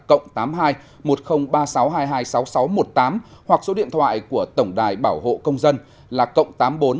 cộng tám mươi hai một không ba sáu hai hai sáu sáu một tám hoặc số điện thoại của tổng đài bảo hộ công dân là cộng tám mươi bốn chín trăm tám mươi một tám trăm bốn mươi tám nghìn bốn trăm tám mươi bốn